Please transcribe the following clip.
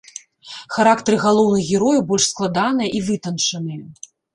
Характары галоўных герояў больш складаныя і вытанчаныя.